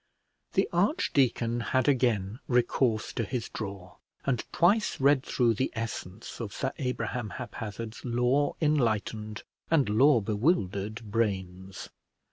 The archdeacon had again recourse to his drawer, and twice read through the essence of Sir Abraham Haphazard's law enlightened and law bewildered brains.